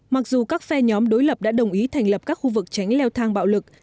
mặc dù các phe nhóm đối lập đã đồng ý thành lập các khu vực tránh leo thang bạo lực